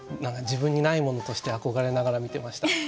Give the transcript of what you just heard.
自分にないものとして憧れながら見てました。